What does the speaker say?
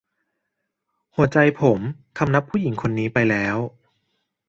หัวใจผมคำนับผู้หญิงคนนี้ไปแล้ว